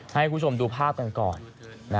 ให้คุณผู้ชมดูภาพกันก่อน